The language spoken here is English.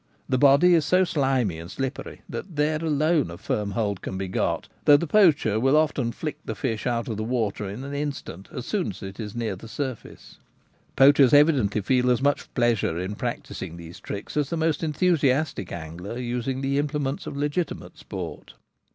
The body is so slimy and slippery that there alone a firm hold can be got, though the poacher will often flick the fish out of water in an instant so soon as it is near the surface. Poachers evidently feel as much pleasure in practising these tricks as the most enthusiastic angler using the implements of legiti mate sport.